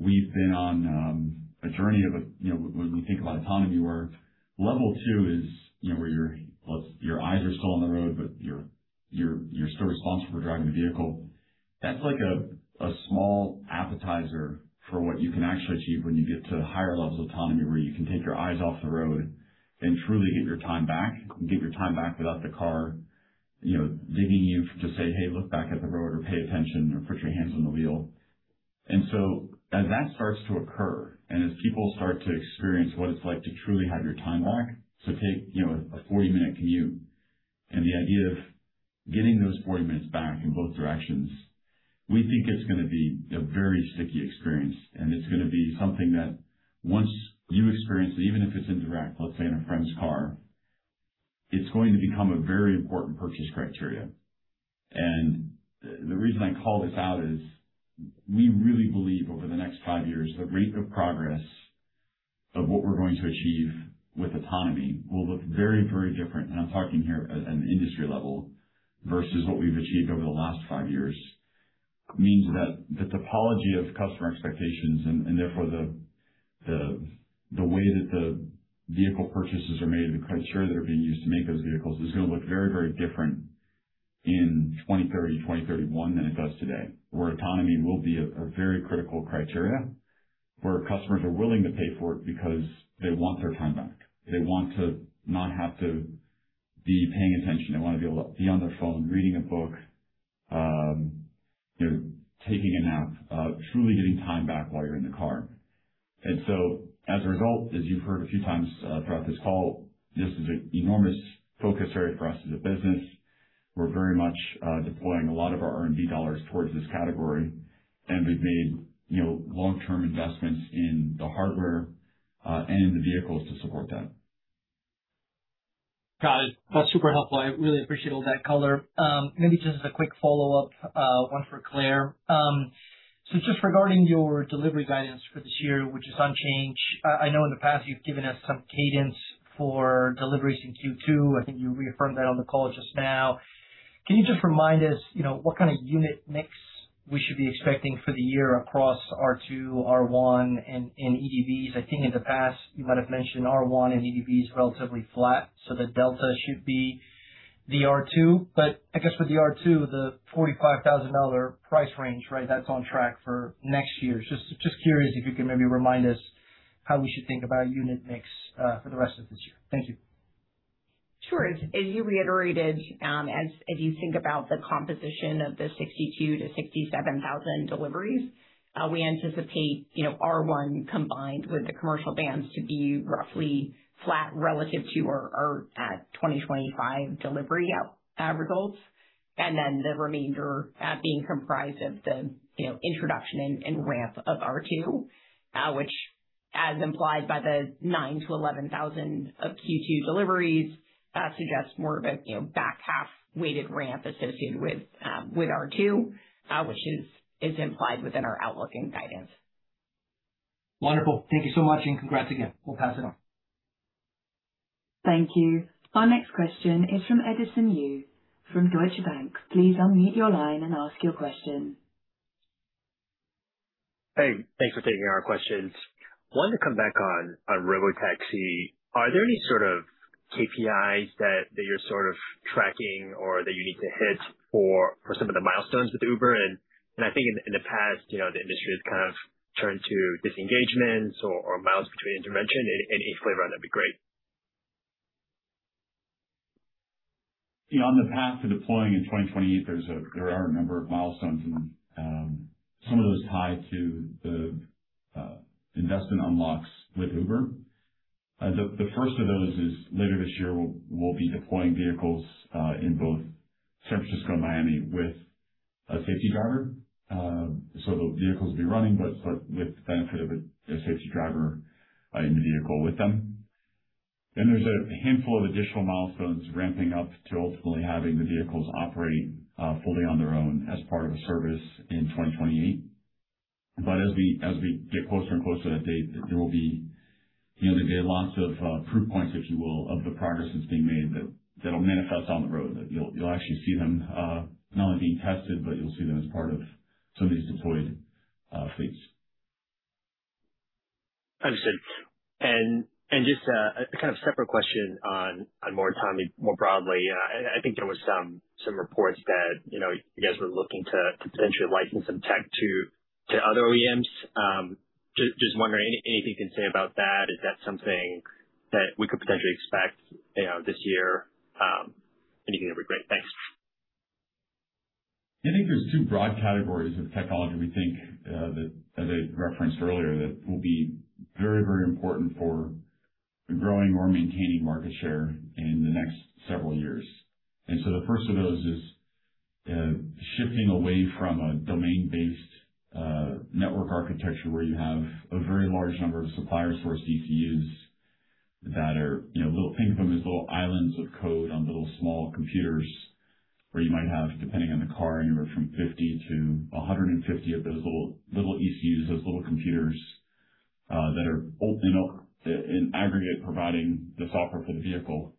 We've been on a journey of, you know, when we think about autonomy, where Level 2 is, you know, where your eyes are still on the road, but you're still responsible for driving the vehicle. That's like a small appetizer for what you can actually achieve when you get to higher levels of autonomy, where you can take your eyes off the road and truly get your time back. Get your time back without the car, you know, dinging you to say, "Hey, look back at the road," or, "Pay attention," or, "Put your hands on the wheel." As that starts to occur, and as people start to experience what it's like to truly have your time back, so take, you know, a 40-minute commute and the idea of getting those 40 minutes back in both directions, we think it's gonna be a very sticky experience. It's gonna be something that once you experience it, even if it's indirect, let's say in a friend's car, it's going to become a very important purchase criteria. The reason I call this out is we really believe over the next five years, the rate of progress of what we're going to achieve with autonomy will look very, very different. I'm talking here at an industry level versus what we've achieved over the last five years, means that the topology of customer expectations and therefore the way that the vehicle purchases are made and the criteria that are being used to make those vehicles is gonna look very, very different in 2030, 2031 than it does today, where autonomy will be a very critical criteria. Where customers are willing to pay for it because they want their time back. They want to not have to be paying attention. They wanna be able to be on their phone, reading a book, you know, taking a nap, truly getting time back while you're in the car. As a result, as you've heard a few times, throughout this call, this is an enormous focus area for us as a business. We're very much, deploying a lot of our R&D dollars towards this category, and we've made, you know, long-term investments in the hardware, and in the vehicles to support that. Got it. That's super helpful. I really appreciate all that color. Maybe just as a quick follow-up, one for Claire. Just regarding your delivery guidance for this year, which is unchanged. I know in the past you've given us some cadence for deliveries in Q2. I think you reaffirmed that on the call just now. Can you just remind us, you know, what kind of unit mix we should be expecting for the year across R2, R1 and EDVs? I think in the past you might have mentioned R1 and EDV is relatively flat, so the delta should be the R2. I guess with the R2, the $45,000 price range, right? That's on track for next year. Just curious if you can maybe remind us how we should think about unit mix for the rest of this year. Thank you. Sure. As you reiterated, as you think about the composition of the 62,000-67,000 deliveries, we anticipate, you know, R1 combined with the commercial vans to be roughly flat relative to our 2025 delivery results. Then the remainder being comprised of the, you know, introduction and ramp of R2, which as implied by the 9,000-11,000 of Q2 deliveries, suggests more of a, you know, back half weighted ramp associated with R2, which is implied within our outlook and guidance. Wonderful. Thank you so much and congrats again. We'll pass it on. Thank you. Our next question is from Edison Yu from Deutsche Bank. Please unmute your line and ask your question. Hey, thanks for taking our questions. Wanted to come back on Robotaxi. Are there any sort of KPIs that you're sort of tracking or that you need to hit for some of the milestones with Uber? I think in the past, you know, the industry has kind of turned to disengagements or miles between intervention. Any flavor on that'd be great. On the path to deploying in 2028 there are a number of milestones, and some of those tie to the investment unlocks with Uber. The first of those is later this year, we'll be deploying vehicles in both San Francisco and Miami with a safety driver. So the vehicles will be running, but with the benefit of a safety driver in the vehicle with them. There's a handful of additional milestones ramping up to ultimately having the vehicles operate fully on their own as part of a service in 2028. As we get closer and closer to that date, there will be, you know, there'll be lots of proof points, if you will, of the progress that's being made that'll manifest on the road. That you'll actually see them, not only being tested, but you'll see them as part of some of these deployed fleets. Understood. Just a kind of separate question on more autonomy more broadly. I think there was some reports that, you know, you guys were looking to potentially license some tech to other OEMs. Just wondering anything you can say about that. Is that something that we could potentially expect, you know, this year? Anything that would be great. Thanks. I think there's two broad categories of technology we think, that as I referenced earlier, that will be very, very important for growing or maintaining market share in the next several years. The first of those is shifting away from a domain-based network architecture where you have a very large number of suppliers for ECUs that are, you know, think of them as little islands of code on little small computers where you might have, depending on the car, anywhere from 50 to 150 of those little ECUs, those little computers, that are, you know, in aggregate providing the software for the vehicle.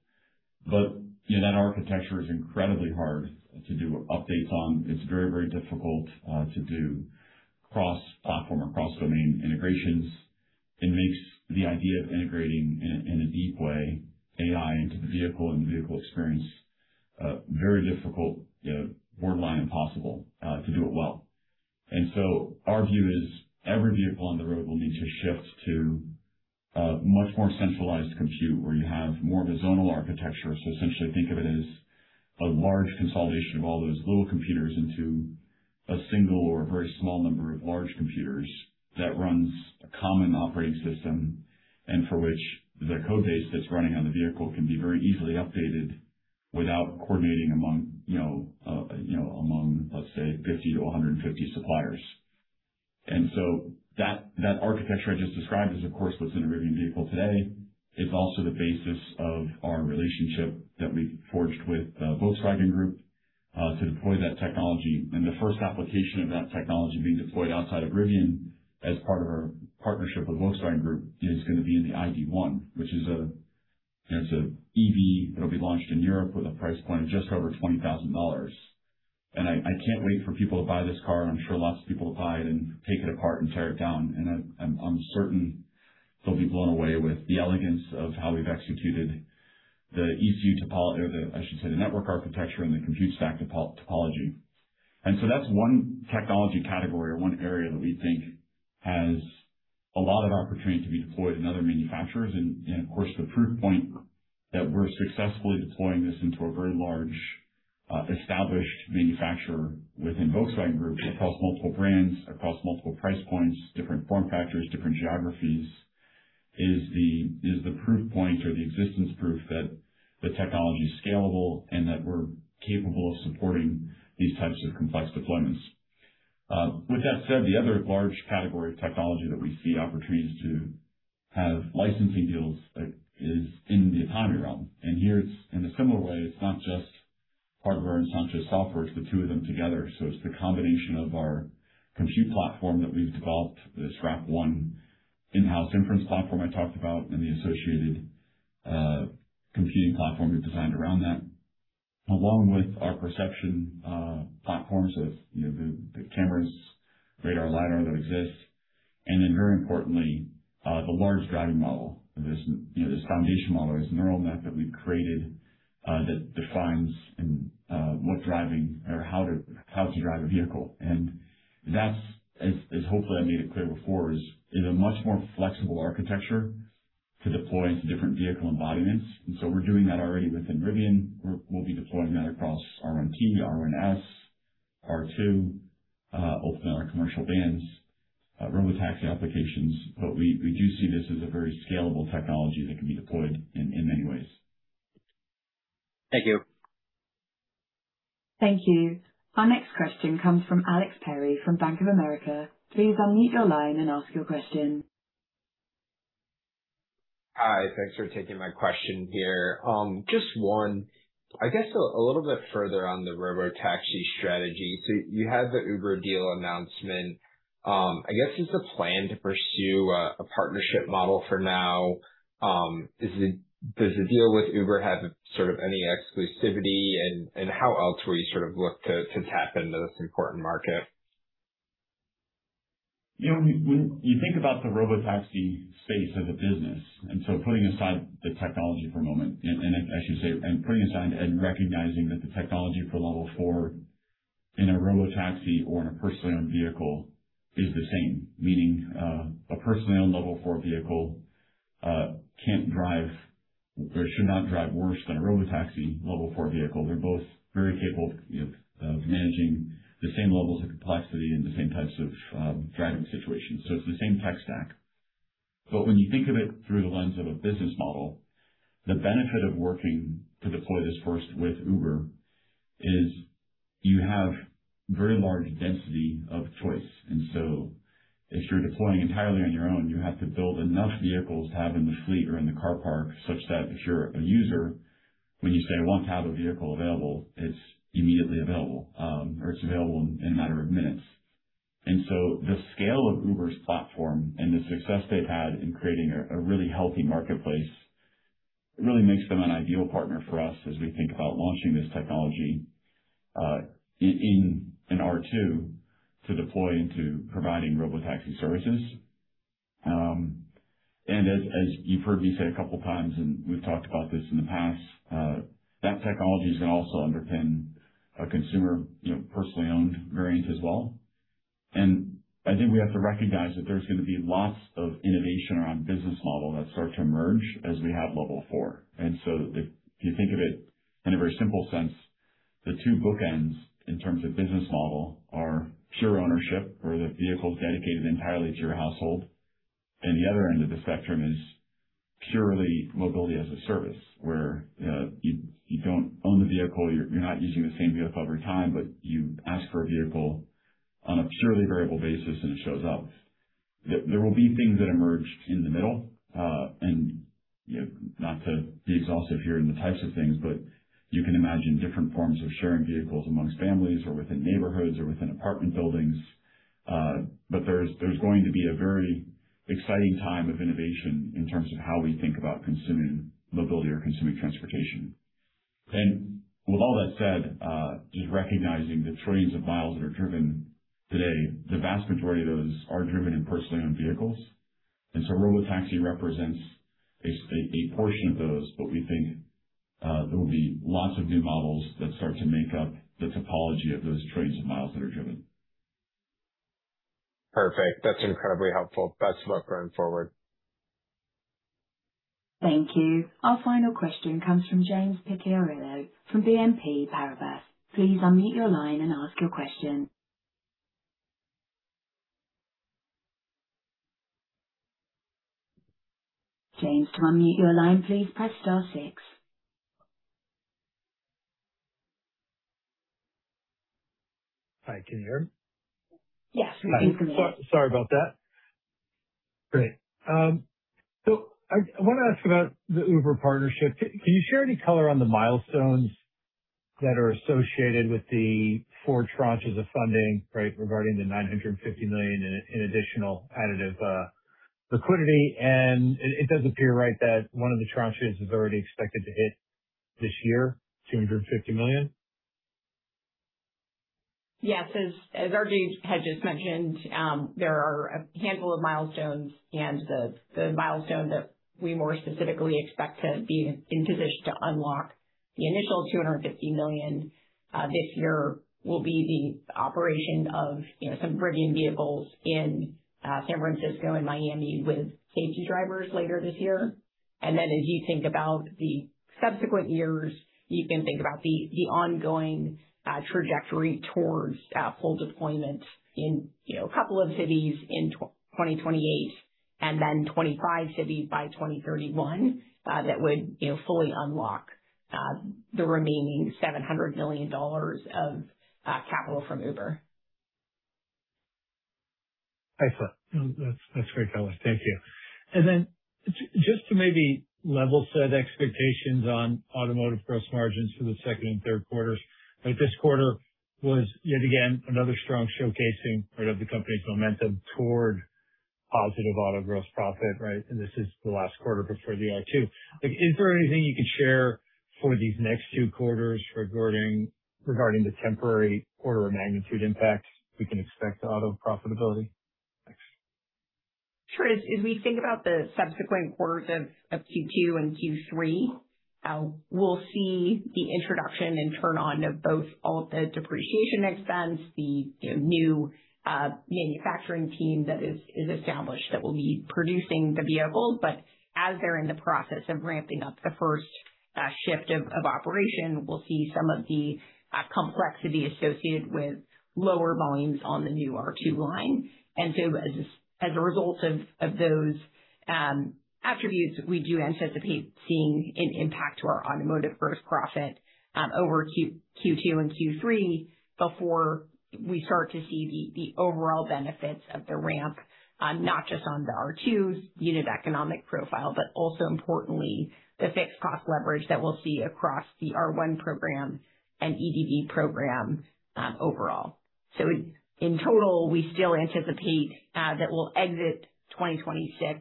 You know, that architecture is incredibly hard to do updates on. It's very, very difficult to do cross-platform or cross-domain integrations. It makes the idea of integrating in a deep way AI into the vehicle and the vehicle experience, very difficult, you know, borderline impossible, to do it well. Our view is every vehicle on the road will need to shift to a much more centralized compute where you have more of a zonal architecture. Essentially think of it as a large consolidation of all those little computers into a single or a very small number of large computers that runs a common operating system, and for which the code base that's running on the vehicle can be very easily updated without coordinating among, you know, among, let's say, 50 to 150 suppliers. That, that architecture I just described is of course what's in a Rivian vehicle today. It's also the basis of our relationship that we forged with Volkswagen Group to deploy that technology. The first application of that technology being deployed outside of Rivian as part of our partnership with Volkswagen Group is gonna be in the ID.1, which is a, you know, it's a EV that'll be launched in Europe with a price point of just over $20,000. I can't wait for people to buy this car. I'm sure lots of people will buy it and take it apart and tear it down. I'm certain they'll be blown away with the elegance of how we've executed the ECU or the, I should say, the network architecture and the compute stack topology. That's one technology category or one area that we think has a lot of opportunity to be deployed in other manufacturers. Of course, the proof point that we're successfully deploying this into a very large, established manufacturer within Volkswagen Group, across multiple brands, across multiple price points, different form factors, different geographies is the, is the proof point or the existence proof that the technology is scalable and that we're capable of supporting these types of complex deployments. With that said, the other large category of technology that we see opportunities to have licensing deals, is in the autonomy realm. Here it's in a similar way. It's not just hardware, it's not just software, it's the two of them together. It's the combination of our compute platform that we've developed, this RAP1 in-house inference platform I talked about, and the associated computing platform we've designed around that, along with our perception platform. It's, you know, the cameras, radar, LiDAR that exists. Very importantly, the large driving model. There's, you know, this foundation model, this neural net that we've created, that defines and what driving or how to, how to drive a vehicle. That's as hopefully I made it clear before, is a much more flexible architecture to deploy into different vehicle embodiments. We're doing that already within Rivian. We'll be deploying that across R1T, R1S, R2, ultimately on our commercial vans, robotaxi applications. We, we do see this as a very scalable technology that can be deployed in many ways. Thank you. Thank you. Our next question comes from Alex Perry from Bank of America. Please unmute your line and ask your question. Hi. Thanks for taking my question here. just one, I guess a little bit further on the robotaxi strategy. You had the Uber deal announcement. I guess, is the plan to pursue a partnership model for now? does the deal with Uber have sort of any exclusivity? how else will you sort of look to tap into this important market? You know, when you think about the robotaxi space as a business, putting aside the technology for a moment, and I should say, and putting aside and recognizing that the technology for Level 4 in a robotaxi or in a personally owned vehicle is the same. Meaning, a personally owned Level 4 vehicle, can't drive or should not drive worse than a robotaxi Level 4 vehicle. They're both very capable of managing the same levels of complexity and the same types of driving situations. It's the same tech stack. When you think of it through the lens of a business model, the benefit of working to deploy this first with Uber is you have very large density of choice. If you're deploying entirely on your own, you have to build enough vehicles to have in the fleet or in the car park such that if you're a user, when you say, "I want to have a vehicle available," it's immediately available, or it's available in a matter of minutes. The scale of Uber's platform and the success they've had in creating a really healthy marketplace, it really makes them an ideal partner for us as we think about launching this technology in R2 to deploy into providing robotaxi services. As you've heard me say a couple times, and we've talked about this in the past, that technology is gonna also underpin a consumer, you know, personally owned variant as well. I think we have to recognize that there's gonna be lots of innovation around business model that start to emerge as we have Level 4. If you think of it in a very simple sense, the two bookends in terms of business model are pure ownership or the vehicles dedicated entirely to your household. The other end of the spectrum is purely mobility as a service, where you don't own the vehicle, you're not using the same vehicle every time, but you ask for a vehicle on a purely variable basis, and it shows up. There will be things that emerge in the middle, and, you know, not to be exhaustive here in the types of things, but you can imagine different forms of sharing vehicles amongst families or within neighborhoods or within apartment buildings. There's going to be a very exciting time of innovation in terms of how we think about consuming mobility or consuming transportation. With all that said, just recognizing the trillions of miles that are driven today, the vast majority of those are driven in personally owned vehicles. Robotaxi represents a portion of those, but we think, there will be lots of new models that start to make up the topology of those trillions of miles that are driven. Perfect. That's incredibly helpful. Best of luck going forward. Thank you. Our final question comes from James Picariello from BNP Paribas. Please unmute your line and ask your question. James, to unmute your line, please press star six. Hi, can you hear me? Yes, we can hear you. Sorry about that. Great. I wanna ask about the Uber partnership. Can you share any color on the milestones that are associated with the four tranches of funding, right? Regarding the $950 million in additional additive liquidity. It does appear, right, that one of the tranches is already expected to hit this year, $250 million. Yes. As R.J. had just mentioned, there are a handful of milestones. The milestone that we more specifically expect to be in position to unlock the initial $250 million this year will be the operation of, you know, some Rivian vehicles in San Francisco and Miami with safety drivers later this year. Then as you think about the subsequent years, you can think about the ongoing trajectory towards full deployment in, you know, a couple of cities in 2028 and then 25 cities by 2031 that would, you know, fully unlock the remaining $700 million of capital from Uber. Excellent. No, that's great color. Thank you. Just to maybe level set expectations on automotive gross margins for the second and third quarters. Like, this quarter was yet again another strong showcasing, right, of the company's momentum toward positive auto gross profit, right? This is the last quarter before the R2. Like, is there anything you could share for these next two quarters regarding the temporary order of magnitude impact we can expect auto profitability? Thanks. Sure. As we think about the subsequent quarters of Q2 and Q3, we'll see the introduction and turn on of both all of the depreciation expense, the, you know, new manufacturing team that is established that will be producing the vehicles. As they're in the process of ramping up the first shift of operation, we'll see some of the complexity associated with lower volumes on the new R2 line. As a result of those attributes, we do anticipate seeing an impact to our automotive gross profit over Q2 and Q3 before we start to see the overall benefits of the ramp, not just on the R2's unit economic profile, but also importantly the fixed cost leverage that we'll see across the R1 program and EDV program, overall. In total, we still anticipate that we'll exit 2026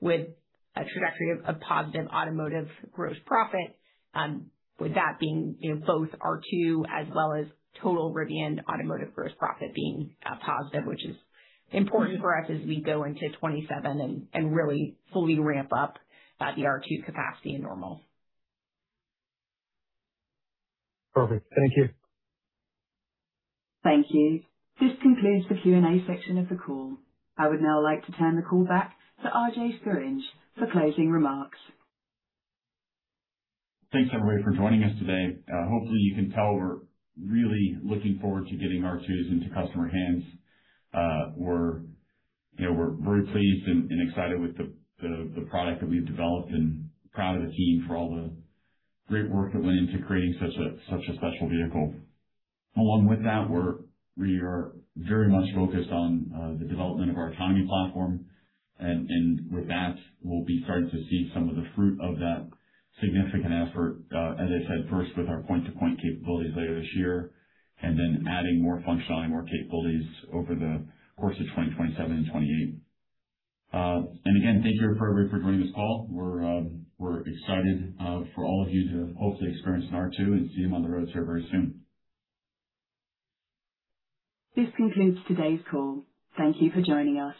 with a trajectory of positive automotive gross profit, with that being, you know, both R2 as well as total Rivian automotive gross profit being positive, which is important for us as we go into 2027 and really fully ramp up the R2 capacity in Normal. Perfect. Thank you. Thank you. This concludes the Q&A section of the call. I would now like to turn the call back to R.J. Scaringe for closing remarks. Thanks, everybody, for joining us today. Hopefully, you can tell we're really looking forward to getting R2s into customer hands. We're, you know, we're very pleased and excited with the product that we've developed and proud of the team for all the great work that went into creating such a special vehicle. Along with that, we are very much focused on the development of our autonomy platform. With that, we'll be starting to see some of the fruit of that significant effort, as I said, first with our point-to-point capabilities later this year, then adding more functionality, more capabilities over the course of 2027 and 2028. Again, thank you, everybody, for joining this call. We're excited for all of you to hopefully experience an R2 and see them on the roads here very soon. This concludes today's call. Thank you for joining us.